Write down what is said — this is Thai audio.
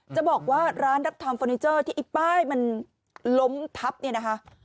จะบอกว่าร้านรับทำเฟอร์นิเจอร์ที่ไอ้ป้ายมันล้มทับเนี่ยนะคะ